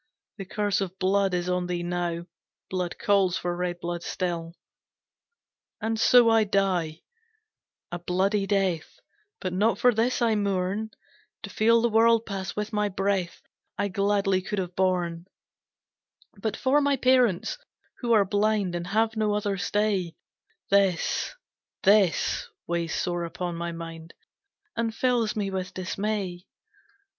The curse of blood is on thee now, Blood calls for red blood still. "And so I die a bloody death But not for this I mourn, To feel the world pass with my breath I gladly could have borne, "But for my parents, who are blind, And have no other stay, This, this, weighs sore upon my mind And fills me with dismay.